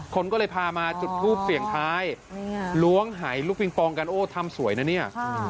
คนก็เลยพามาจุดทูปเสี่ยงท้ายล้วงหายลูกปิงปองกันโอ้ทำสวยนะเนี่ย